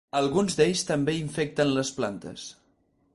Alguns d'ells també infecten les plantes.